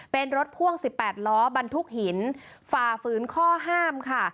เป็นรถพ่วง๑๘ล้อบรรทุกหินฝ่าฝืนข้อห้ามค่ะ